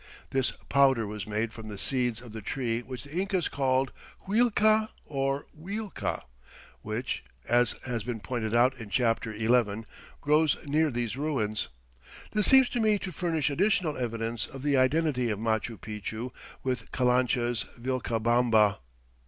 This powder was made from the seeds of the tree which the Incas called huilca or uilca, which, as has been pointed out in Chapter XI, grows near these ruins. This seems to me to furnish additional evidence of the identity of Machu Picchu with Calancha's "Vilcabamba."